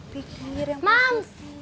pikir yang positif